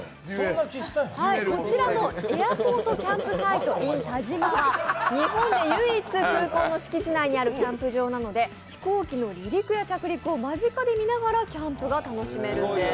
こちらのＡｉｒｐｏｒｔＣａｍｐｓｉｔｅｉｎＴＡＪＩＭＡは日本で唯一、空港の敷地内にあるキャンプ場なので、飛行機の離陸や着陸を間近で見ながらキャンプを楽しめるんです。